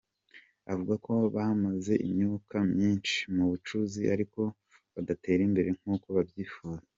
Avuga ko bamaze imyaka myinshi mu bucuzi ariko budatera imbere nk’uko babyifuza.